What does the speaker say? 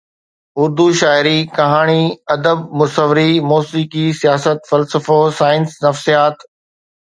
اردو شاعري، ڪهاڻي، ادب، مصوري، موسيقي، سياست، فلسفو، سائنس، نفسيات